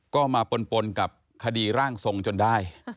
ก็มาปนกับคดีร่างทรงจนได้